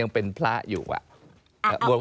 ตั้งแต่ตอนตอนนั้นกับ๓๐ปีแล้ว